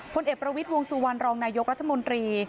พลเอกประวิทย์วงสุวรรณรองนายกรัฐมนตรี